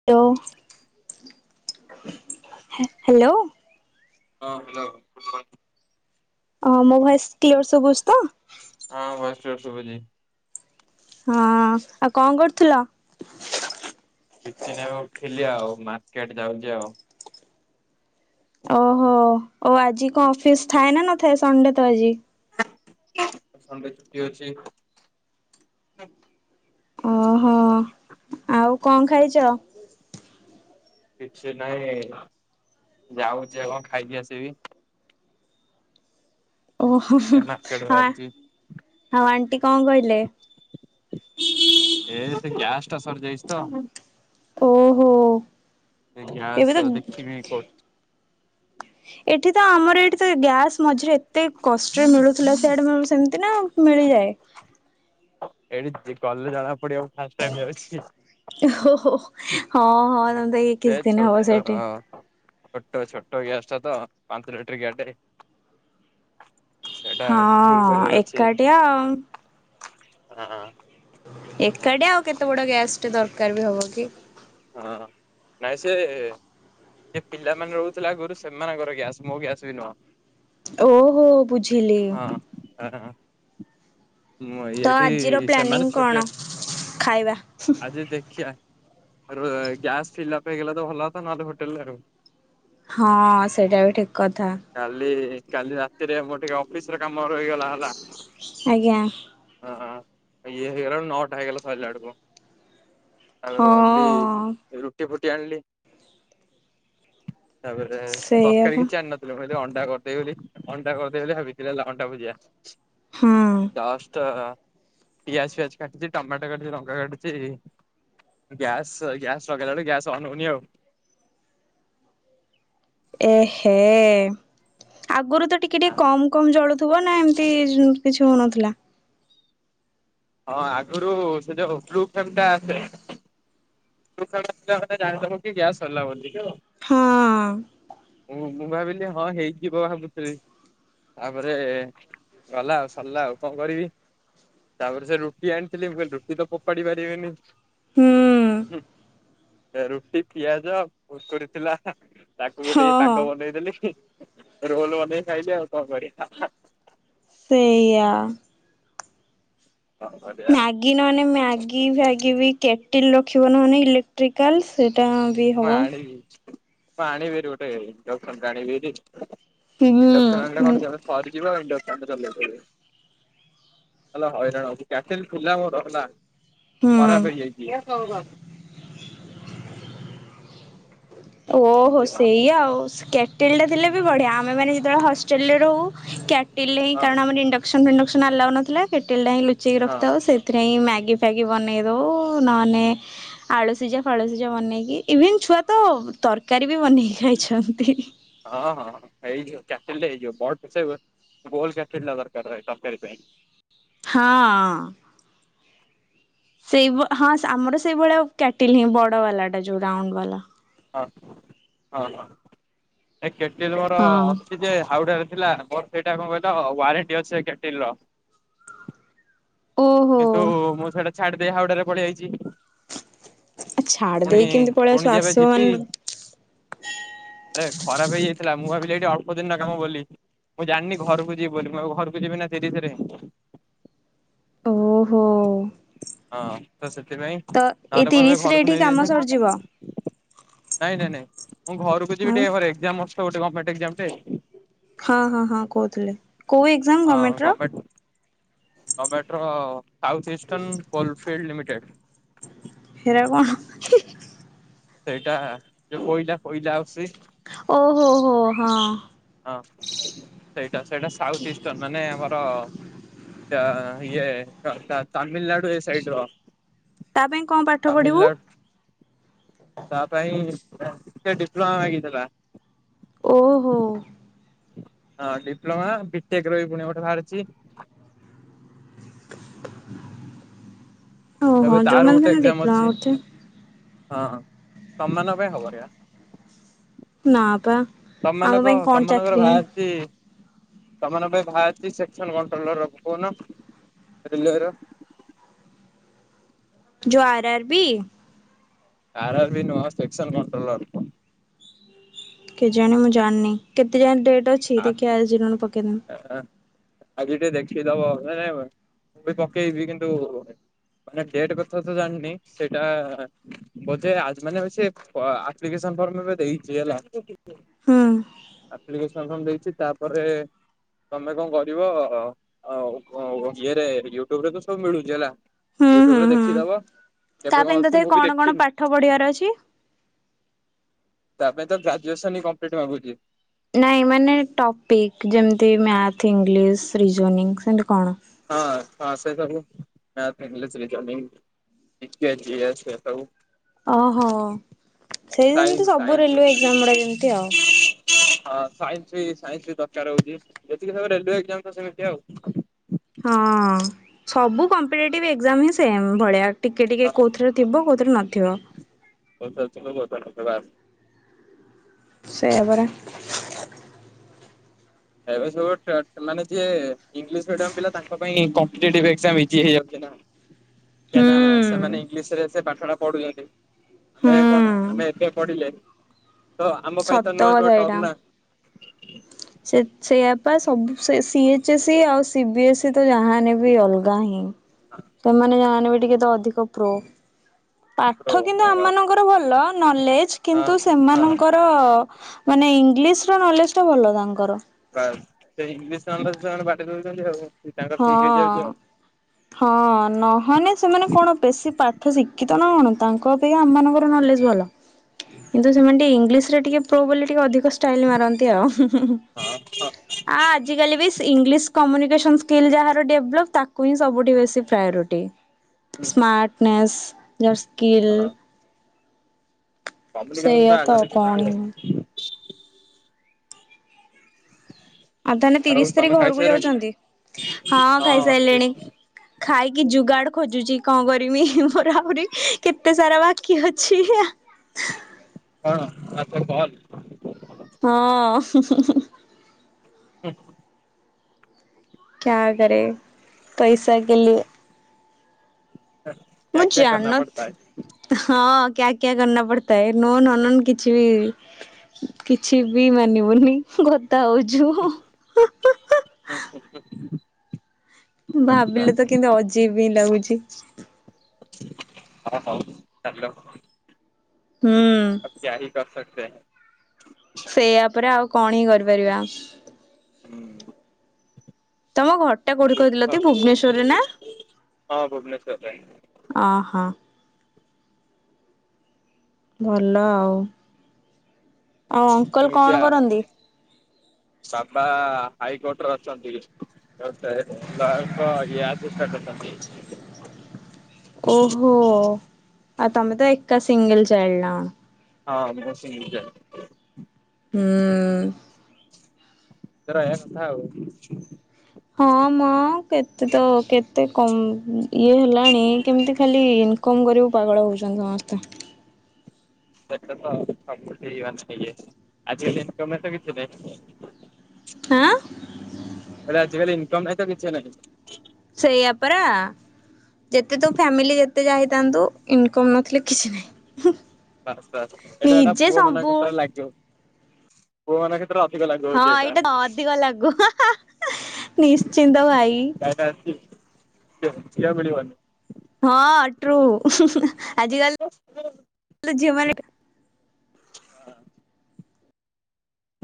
[unintelligible] ହେ hello, ହଁ hello, ଅ ମୋ ଭଏସ୍ କ୍ଲିୟର ସୁବୁଛି ତ? ହଁ ଭଏସ୍ କ୍ଳିଅର ଶୁଭୁଛି। ହଁ ଆଉ କଣ କରୁଥିଲ? କିଛି ନାଇ, ଏବେ ଉଠିଲି ଆଉ ମାର୍କେଟ ଯାଉଛି ଆଉ। ଓହୋ ଓ ଆଜି କଣ ଅଫିସ ଥାଏ ନା ନଥାଏ ସଣ୍ଡେ ତ ଆଜି? ସଣ୍ଡେ ଛୁଟି ଅଛି। ଓହୋ ଆଉ କଣ ଖାଇଛ? କିଛି ନାହିଁ ଯାଉଛି ବା କଣ ଖାଇକି ଆସିବି? ଓହୋ ଏ ଅ ମାର୍କେଟ ଆ ବାହାରିଛି ଆଉ ଆଣ୍ଟି କଣ କହିଲେ? ଏ ସେ ଗ୍ୟାସ୍ ଟା ସରିଯାଇଛି ତ ଓହୋ ସେ ଗ୍ୟାସ ଏବେ ତ [unintelligible] ଏଠି ତ ଆମର ଏଇଠି ତ ଗ୍ୟାସ୍ ମଝିରେ ଏତେ କଷ୍ଟରେ ମିଳୁଥିଲା ସେଇଆଡ଼େ କ ସେମିତି ନା ମିଳିଯାଏ। ଏଇଠି ଗଲେ ଜଣା ପଡିବ ଫାଷ୍ଟ ଟାଇମି ଯାଉଛି। ଓ ହଁ ହଁ ତମ ଇ ସେ କିଛି ଦିନ ହବ ସେଇଠି। ଛୋଟ ଛୋଟ ଛୋଟ ଗ୍ୟାସ ଟା ତ ପାଞ୍ଚ ଲିଟର ଗ୍ୟାଟ୍ ଟା। ଫୁଲ ହଁ କରିବାର ଅଛି ଏକାଠିଆ ଆଉ। ହଁ। ଏକାଟିଆ ଆଉ କେତେ ବଡ ଗ୍ୟାସ ଟେ ଦରକାର ବି ହବ କି ହଁ ନାଇଁ ସେ ଯେ ପିଲାମାନେ ରହୁଥିଲା ଗୋରୁ ସେମାନଙ୍କର ଗ୍ୟାସ ମୋ ଗ୍ୟାସ ବି ନୁହଁ। ଓହୋ ବୁଝିଲି। ହ। ମୁଁ ତ ଇଏଠି ଆଜିର ସେମାନେ ପ୍ଲାନିଂ କଣ ଛୋଟିଆ ଖାଇବା? ଆଜି ଦେଖିବା। ଆ ଗ୍ୟାସ ଫିଲା ପାଇଁଗଲେ ତ ଭଲତା ନହେଲେ ହୋଟେଲରେଉ। ହଁ ସେଇଟା ବି ଠିକ କଥା। କାଲି କାଲି ରାତିରେ ମୋର ଟିକେ ଅଫିସ ରେ କାମ ରହିଗଲା ହେଲା। ଆଜ୍ଞା। ହଁ ହଁ ଇଏ ହେଇଗଲାଳକୁ ନଟା ହେଇଗଲା ସଇଲା ଆଡ଼କୁୁ ଆ ଲି ହଁ ଫୁଟି ଫୁଟି ଆଣିଲି ତାପରେ ସେଇଆ ତରକାରୀ ପା କିଛି ଆଣିନ କହିଲ ଅଣ୍ଡା କରିଦେଇ ବୋଲି ଅଣ୍ଡା କରିଦେଇ ବୋଲି ଭାବିଥିଲେ ହେଲା ଅଣ୍ଡା ଭୁଜିଆ। ହଁ। ଲଷ୍ଟ ପିଆଜ ପିଆଜ କାଟୁଚି ଟମାଟୋ କାଟୁ ଲଙ୍କା କାଟୁଛି। ଗ୍ୟାସ୍ ଗ୍ୟାସ୍ ଲଗେଇଲା ବଳୁ ଗ୍ୟାସ୍ ଅନ୍ ହଉନି ଆଉ। ଏହେ ଆଗରୁ ତ ଟିକେ ଟିକେ କମ କମ ଜଳୁଥିବ ନା ଏମିତି କିଛି ହଉନଥିଲା। ହଁ ଆଗରୁ ସେ ଯୋଉ ବ୍ଲୁ ଫେମ୍ ଟା ଆସେ। [unintelligible] ମୁଁ ହଁ ଭାବିଲି ହଁ ହେଇଯିବ ଭାବୁଥିଲି। ତାପରେ ଗଲା ଆଉ ସରିଲା ଆଉ କଣ କରିବି? ତାପରେ ସେ ରୁଟି ଆଣିଥିଲି ମୁଁ କହିଲି ରୁଟି ତ ପୋପାଡ଼ି ପାରିବିନି। ହୁଁ। ହୁଁ ରୁଟି ପିଆଜ ଭରି ଥିଲା ତାକୁ ଗୋଟେ ହଁ ହଁ ପାଗ ବନେଇଦେଲି। ରୋଲ ବନେଇ ଖାଇଲି ଆଉ କଣ କରିବା। ସେଇୟା। କଣ କରିବା। ମ୍ୟାଗି ନହେ ନେ ମ୍ୟାଗି ଫ୍ୟାଗି ବି କେଟିଲ ରଖିବ ନହନେ ଇଲେକ୍ଟ୍ରିକାଲ ସେଇଟା ବି ମୁଁ ହବ। ଆଣିବି ମୁଁ ଆଣିବିରି ଗୋଟେ ଆଣିବିରି। ହୁଁ ହୁଁ [unintelligible] ହେଲା ହଇରାଣଉ କ୍ୟାଟେଲ ଖୁଲା ମୋର ହେଲା ଖରାପ ହେଇଯାଇଛି। ଓହୋ ସେଇ ଆଉ କ୍ୟାଟଲ ଟା ଥିଲେ ବି ବଢ଼ିଆ ଆମେ ମାନେ ଯେତେବେଳେ ହଷ୍ଟେଲରେ ରହୁ କ୍ୟାଟିଲ ରେ ହିଁ ହଁ କାରଣ ଆମର ଇଣ୍ଡକ୍ସନ ଫିଣ୍ଡକ୍ସନ ଆଲାଉ ନଥିଲା କ୍ୟାଟେଲ ଟା ହିଁ ଲୁଚେଇ ହଁ। ରଖିଥାଉ ସେ ଥିରେ ହିଁ ମ୍ୟାଗି ଫ୍ୟାଗି ବନେଇଦୋଉ ନୋ ନେ ଆଳୁସିଜା ଫାଳସିଜା ବନେଇକି ଇଭିନ୍ ଛୁଆ ତ ତରକାରୀ ବି ବନେଇକି ଖାଇଛନ୍ତି। ହଁ ହଁଁ ହେଇଯିବ କ୍ୟାଟେଲ୍ ରେ ହେଇଯିବ ପଡ ପଛକେ ଗୋଲ କ୍ୟାପଟେନ ନଗର ଦରକାର ପାଇଁ। ହଁ ଅ। ସେଇ ହଁ ଆମର ସେଇଭଳିଆଉ କ୍ୟାଟିଲ ହିଁ ବଡ ବାଲା ଟା ଯୋଉ ରାଉଣ୍ଡ ବାଲା। ହଁ ହଁ ହଁ ଏ କେଟଲେ ଘର ହଁ ଅ ଯେ ହାଉଡା ରେ ଥିଲା ମୋର ସେଇଟା କଣ କହିଲ ୱାରେଣ୍ଟି ଅଛି ଏ କେଟିଲି ର ଓହୋ କିନ୍ତୁ ମୁଁ ସେଇଟା ଛାଡି ଦେଇ ହାଉଡା ରେ ପଳେଇଆଇଚି। ଆ ଛାଡି ଦେଇକି କେମିତି ପୁଣି ପଳେଇବା ଯେବେ ଆସବ ଯିବି ମାନେ ଆରେ ଖରାପ ହେଇଯାଇଥିଲା ମୁଁ ଭାବିଲି ଏଇଠି ଅଳ୍ପ ଦିନର କାମ ବୋଲି। ମୁଁ ଜାଣିନି ଘରକୁ ଯିବି ବୋଲି ମୁଁ ଘରକୁ ଯିବି ନା ସେଇଠି କି ଫେରେ ଓହୋ। ହଁ ତ ସେଥିପାଇଁ ତ ଏଇ ତାହେଲେ ମୁଁ ଏବେ ତିରିଶରେ ଘରକୁ ଏଠି କାମ ନେଇଯାଇଥାନ୍ତି ସରିଯିବ ନାଇଁ ନାଇଁ ନାଇଁ ମୁଁ ଘରକୁ ଯିବି ଆଉ ଟିକେ ମୋର ଏକ୍ଜାମ ଅଛି ତ ଗୋଟେ ମୋର ଗମେଣ୍ଟ ଏକ୍ଜାମ ଟେ। ହଁ ହଁ ହଁ କହୁଥିଲେ କୋଉ ଏକ୍ଜାମ ଗମେଣ୍ଟ ର? ଟମଟ୍ରୋ ସାଉଥ ଇଷ୍ଟର୍ନ କଲଫିଲ୍ଡ ଲିମିଟେଡ୍‌। ହେରା କଣ ସେଇଟା ଯୋଉ କୋଇଲା କୋଇଲା ଆସୁଚି ଓହୋ ହୋ ହଁ। ହଁ ସେଇଟା ସେଇଟା ସାଉଥ ଇଷ୍ଟର୍ଣ ମାନେ ଆମର ଚା ଇଏ ତାମିଲନାଡୁ ଏ ସାଇଡ଼ର୍ ତା ପାଇଁ କଣ ପାଠ ପଢିବୁ ତାମିନାଲ୍ ତା ପାଇଁ ଟିକେ ଡିପ୍ଲୋମା ମାଗିଦେଲା। ଓହୋ। ହଁ ଡିପ୍ଲୋମା ବିଟେକ୍ ର ବି ଫୁଣି ଗୋଟେ ବାହାରିଚି। ଓହୋ ଏବେ ତାର ଯୋଉମାନେ ଗୋଟେ ସିନା ଏକ୍ଜାମ ଡିପ୍ଲୋମା ଅଛି କରୁଥିବେ ହଁ ତମ ମାନଙ୍କ ପାଇଁ ହବନି ଇୟା ନା ପା ଆମ ପାଇଁ ତମାନଙ୍କ କଣ ତମାନଙ୍କର ଚାକିରି ଭାରିଚି ତମାନଙ୍କ ପାଇଁ ବାରିଚି ସେକ୍ସନ କଣ୍ଟ୍ରୋଲର ରଖି ଦୋଉନ ରେଲୱେର ଯୋ ଆର ଆର୍ ବି ଆର ଆର ବି ନୁହଁ ସେକ୍ସନ କଣ୍ଟ୍ରୋଲର। କେଜାଣି ମୁଁ ଜାଣିନି କେତେ ଯାଏ ଡେଟ୍ ଅଛି କଣ୍ଟ୍ରୋଲର। ଦେଖିଆ ଆଜି ନହେଲେ ପକେଇବି। ଆଜି ଟିକେ ଦେଖେଇଦବ ନ ନାଇ ମୁଁ ବି ପକେଇବି କିନ୍ତୁ ମାନେ ଡେଟ୍ କଥା ତ ଜାଣିନି ସେଇଟା ବୋଧେ ଆଜ୍‌ ମାନେ ସେ ଆପ୍ଲିକେସନ ଫର୍ମ ଏବେ ଦେଇଚି ହେଲା। ହୁଁ ଆପ୍ଲିକେସନ ଫର୍ମ ଦେଇଚି ତାପରେ ତମେ କଣ କରିବ ଇଏରେ ୟୁଟ୍ୟୁବ ରେ ତ ସବୁ ମିଳୁଛି ହେଲା। ହୁଁ ୟୁଟ୍ୟୁବ ହୁଁ ରେ ହୁଁ ଦେଖିଦବ। ତା କେବେ କଣ ପାଇଁ ଅଛି ତଥାପି ମୁଁ ବି କଣ କଣ ଦେଖିନି ପାଠ ପଢିବାର ଅଛି? ତା ପାଇଁ ତ ଗ୍ରଜୁଏସ ହିଁ କଂପ୍ଲିଟ୍ ମାଗୁଛି। ନାଇଁ ମାନେ ଟପିକ୍ ଯେମତି ମ୍ୟାଥ ଇଂଙ୍ଗିଲିସ୍ ରିଜୁନିଂ ସେମତି କଣ? ହଁ ହଁ ସେ ସବୁ ଇଂଙ୍ଗିଲିସ୍‌ ରିଜନିଙ୍ଗି। ଟିକେ ଯିଏ ଆସେ ସବୁ। ଅହ ସେଇ ସାଇନ୍ସ ଯେମିତି ସବୁ ସାଇନ୍ସ ରେଲୱେ ଏକ୍ଜାମ ଗୁଡା ଯେମତି ଆଉ। ହଁ ସାଇନ୍ସ ବି ସାଇନ୍ସ ବି ଦରକାର ହୋଉଛି ଯେତିକି ସବ ରେଲୁ୍ୱେ ଏକ୍ଜାମ ସେମିତି ଆଉ। ହଁ ସବୁ କମ୍ପିଟେଟିଭ ଏକ୍ଜାମ ହିଁ ସେମ୍ ଭଳିଆ। ଟିକେ ଟିକେ ହଁ। କେଉଁଥିରେ ଥିବ କେଉଁଥିରେ ନଥିବ। [unintelligible] ସେଇଆ ପରା। ଏବେ ସବୁ ମାନେ ଯିଏ ଇଂଙ୍ଗିଲିସ ମିଡିୟମ୍ ପିଲା ତାଙ୍କ ପାଇଁ କମ୍ପିଟେଟିଭ୍ ଏକ୍ସାମ ଇଜି ହେଇଯାଉଛି ନା। କାହିଁ ହୁଁ ନା ସେମାନେ ଇଂଙ୍ଗିଲିସ ରେ ସେ ପାଠ ଟା ପଢୁଛନ୍ତି ଆମେ ହୁଁ କଣ ଆମେ ଏବେ ପଢିଲେ ତ ଆମ ପାଇଁ ତ ସତ ନୂଆ ନୂଆ କଥା ଏଇଟା। ଟର୍ମ ନା। ସେ ସେଇଆ ପା ସବୁ ସେ ସି ଏଚ୍ ଏସ୍ ଇ ଆଉ ସିି ବି ଏସ୍ ଇ ତ ଯାହା ହେନେ ବି ଅଲଗା ହିଁ। ସେମାନେ ଯାହା ହେନେ ବି ଟିକେ ତ ଅଧିକ ପ୍ରୋ ହଁ ପାଠ କିନ୍ତୁ ବାସ୍ ଆମମାନ ଙ୍କର ଭଲ ନଲେଜ୍ ହଁ କିନ୍ତୁ ସେମାନ ହଁ ଡ ମାନେ ଇଂଲିଶ୍ ର ନଲେଜ୍ ଟା ଭଲ ତାଙ୍କର। ପ୍ରାୟ ସେ ଇଂଲିଶ୍ ନଲେଜ୍ ତ ହେନେ ବାଟି ଦୋଉଚନ୍ତି ଆଉ। ତାଙ୍କର ଠିକ ହେଇଯାଉଛି ଆଉ ହଁ। ହଁ ନହେନେ ସେମାନେ କଣ ବେଶୀ ପାଠ ଶିକିତ ନାଁ କଣ ତାଙ୍କ ପେୟା ଆମମାନଙ୍କର ନଲେଜ୍ ଭଲ କିନ୍ତୁ ସେମାନେ ଟିକେ ଇଂଲିଶ୍ ସେ ଟିକେ ପ୍ରୋ ବୋଲି ଟିକେ ଅଧିକ ଷ୍ଟାଇଲ୍ ମାରନ୍ତି ଆଉ। ହଁ ଆ ଆଜିକାଲି ବି ସ୍ ଇଂଲିଶ୍ କମ୍ୟୁନିକେସନ୍ସ୍ ସ୍କିଲ୍ ଯାହାର ଡେଭଲପ୍ ତାକୁ ହିଁ ସବୁଠି ବେଶୀ ପ୍ରାୟୋରିଟି ହଁ। ସ୍ମାର୍ଟନେସ୍ ଯାହାର୍ ସ୍କିଲ୍ କମ୍ୟୁନିକେସନ୍ ସେଇଆ ଟା ତ ଆଗ ଆଉ କଣ ଦେଖୁଚନ୍ତି ହିଁ ଆଉ। ଆଉ ତାହେନେ ତିରିଶ ତାରି ତମେ ଘରୁକୁ ଖାଇସାରିଲଣି ଯାଉଚନ୍ତି ହଁ ହଁ। ଖାଇସାଇଲେଣି। ଖାଇକି ଯୁଗାଡ଼ ଖୋଜୁଚି କଁ କରିମି ମୋର ଆହୁରି କେତେ ସାରା ବାକି ଅଛି। ଆ ହ କଣ ଆ କୁଆଡ଼େ ବଲ୍? ହଁ। ଉଁ କ୍ୟା କରେ ପଇସା କେ ଲିଏ। କ୍ୟା ମୁୁଁ କ୍ୟା କରନା ପଡତା ଜାଣନଥ ହଁ କ୍ୟା କ୍ୟା କରନା ପଡ଼ତା ହେ ନୋନ୍ ଅନନୋନ୍ କିଛି ବି କିଛି ବି ମାନିବୁନି କଥା ହଉଚୁ। ହଁ କଥା ଭାବିଲେ ତ କିନ୍ତୁ ଅଜୀବ ହିଁ ଲାଗୁଚି। ହଁ ହଉ ଚାଲୁ। ହୁଁ। ଅବ୍ କ୍ୟା ହି କରସକ୍ତେ? ସେଇଆ ପରା ଆଉ କଣ ହି କରିପାରିବା? ତମ ଘ ଦୁଃଖ ହଁ ଭୁବନେଶ୍ୱରରେ। ଅହ। ଭଲ ଆଉ, ଆଉ ଅଙ୍କଲ୍ କଣ କରନ୍ତି? ସା ବା ହାଇକୋର୍ଟରେ ଅଛନ୍ତି। ରଥ ଆଗରେ ଲାଳ ପୁଅ ୟାଠୁ ସ୍ୟାଡ଼େ ତମେ। ଓହୋ ଆ ତମେ ତ ଏକା ସିଙ୍ଗଲ୍ ଚାଇଲ୍ ନାଁ କଣ। ହଁ ମୁଁ ସିଙ୍ଗିଲ୍ ଚାଇଲ୍। ଉଁ ତେ ରହିଆ କଥା ଆଉ। ହଁ ମ କେତେ ତ କେତେ କମ୍ ଇଏ ହେଲାଣି କେମତି ଖାଲି କଁ କରିବୁ ପାଗଳ ହୋଉଚନ୍ତି ସମସ୍ତେ। ସେଟା ତ ସବୁଠି ମାନେ ଇଏ ଆଜି ହେଲିନି ପେମେଟ୍ ଟା କିଛି ନାହିଁ। ହାଁ ମାନେ ଆଜିକାଲି ଇନକମ୍ ନାହିଁ ତ କିଛି ନାଇଁ। ସେଇଆ ପରା। ଯେତେ ତୋ ଫ୍ୟାମିଲି ଯେତେ ଯାହା ହେଇଥାନ୍ତୁ ଇନକମ୍ ନଥିଲେ କିଛି ନାହିଁ। ବାସ୍ ବାସ୍ ଏଟା ହେଲା ନିଜେ ପୁଅମାନଙ୍କ ସବୁବେଳେ କ୍ଷେତ୍ରରେ ଲାଗିବ ପୁଅ ମାନଙ୍କ କ୍ଷେ ହଁ ଏଇଟା ଅଧିକ ଲାଗୁ ନିଶ୍ଚିନ୍ତ ଭାଇ। ତା ଟା ଆସି ଯେ ସିଏ ଆଉ ମିଳିିବନି। ହଁ ଟ୍ରୁ ଆଜିିଆଲ୍ [inaudible] ହେଲେ ଝିଅମାନେ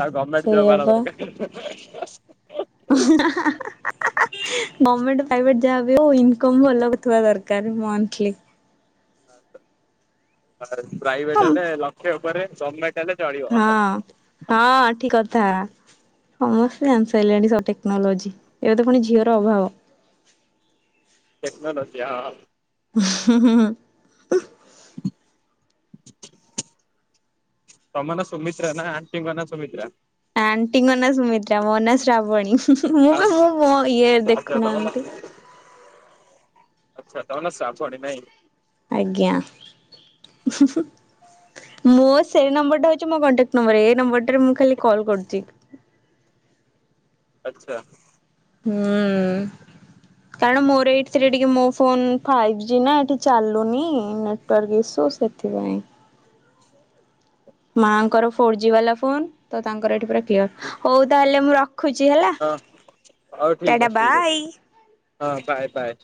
ତାର ଗର୍ମେଣ୍ଟ ଜବ ସେଇଆ ବାଲା ପା। ଦରକାର୍। [unintelligible] ଗମେଣ୍ଟ ପ୍ରାଇଭେଟ ଯାହା ବି ହଉ ଇନକମ୍ ଭଲ ହଉଥିବା ଦରକାର ମନ୍ଥଲି। ଆତାର ପ୍ରାଇଭେଟ ହେଲେ ଲକ୍ଷେ ଉପରେ ଗମେଣ୍ଟ ହଁ ହଁ ଠିକ କଥା। ସମସ୍ତେ ଜାଣିସାରିଲେଣି ସବୁ ଟେକ୍ନୋଲୋଜି ଏବେ ତ ପୁଣି ଝିଅର ଅଭାବ। ଟେକ୍ନୋଲୋଜି ହଁ ହଁ। ହୁଁ ହୁଁ ହୁଁ। [inaudible] ତମ ନାଁ ସୁମିତ୍ରା ନା ଆଣ୍ଟିଙ୍କ ନାଁ ସୁମିତ୍ରା। ଆଣ୍ଟିଙ୍କ ନାଁ ସୁମିତ୍ରା ମୋ ନାଁ ଶ୍ରାବଣୀ ମୁଁ ଆଉ ବି ମୁଁ ମୋ ଇଏ ଦେଖୁନାହାନ୍ତି। ଆଛା ତମ ନାଁ ଶ୍ରାବଣୀ ନାଇଁ। ଆଜ୍ଞା। ମୋ ସେଇ ନମ୍ବରଟା ହେଉଛି ମୋ କଣ୍ଟାକ୍ଟ ନମ୍ବର, ଏଇ ନମ୍ବରଟାରେ ମୁଁ ଖାଲି କଲ୍ କରୁଛି। ଆଛା। ହୁଁ। କାରଣ ମୋର ଏଇଥିରେ ଟିକେ ମୋ ଫୋନ ଫାଇଭ ଜି ନା ଏଠି ଚାଲୁନି। କଲ୍ ଇଶୁ ସେଥିପାଇଁ। ମାଆଙ୍କର ଫୋର୍ ଜି ବାଲା ଫୋନ୍ ତ ତାଙ୍କର ଏଠି ପୁରା କ୍ଲିୟର ହଉ ତାହେଲେ ମୁଁ ରଖୁଛି ହେଲା ହଁ ହଉ ଟା ଠିକ ଟା ଅଛି ଠିକ ଅଛି ବାଇ। ହଁ ବାଏ ବାଏ।